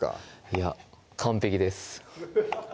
いや完璧です